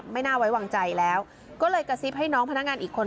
ไม่น่าไว้วางใจแล้วก็เลยกระซิบให้น้องพนักงานอีกคน